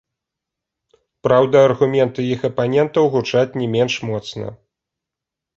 Праўда, аргументы іх апанентаў гучаць не менш моцна.